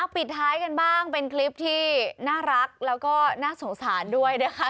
ปิดท้ายกันบ้างเป็นคลิปที่น่ารักแล้วก็น่าสงสารด้วยนะคะ